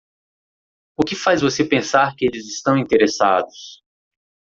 O que faz você pensar que eles estão interessados??